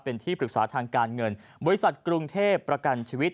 เป็นที่ปรึกษาทางการเงินบริษัทกรุงเทพประกันชีวิต